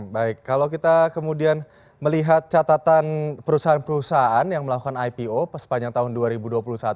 baik kalau kita kemudian melihat catatan perusahaan perusahaan yang melakukan ipo sepanjang tahun dua ribu dua puluh satu ada lima puluh empat perusahaan